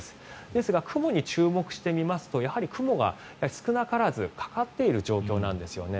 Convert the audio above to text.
ですが、雲に注目すると雲が少なからずかかっている状況なんですよね。